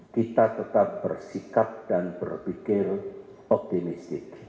kita tetap bersikap dan berpikir optimis